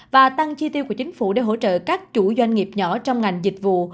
và tăng chi tiêu của chính phủ để hỗ trợ các chủ doanh nghiệp nhỏ trong ngành dịch vụ